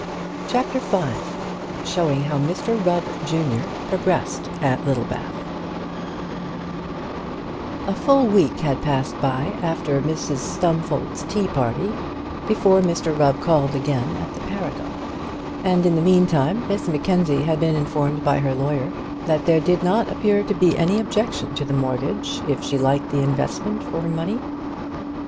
CHAPTER V Showing How Mr Rubb, Junior, Progressed at Littlebath A full week had passed by after Mrs Stumfold's tea party before Mr Rubb called again at the Paragon; and in the meantime Miss Mackenzie had been informed by her lawyer that there did not appear to be any objection to the mortgage, if she liked the investment for her money.